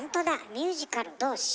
ミュージカル同士。